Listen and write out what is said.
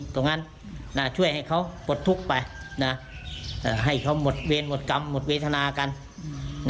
ตรงนั้นช่วยให้เขาปลดทุกข์ไปนะให้เขาหมดเวรหมดกรรมหมดเวทนากัน